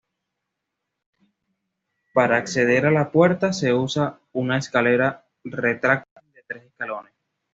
Para acceder a la puerta, se usa una escalera retráctil de tres escalones.